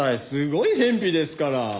すごい辺鄙ですから。